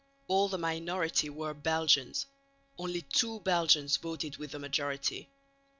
All the minority were Belgians, only two Belgians voted with the majority.